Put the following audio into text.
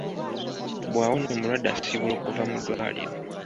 Bw'awona, omulwadde asiibulwa okuva mu ddwaliro.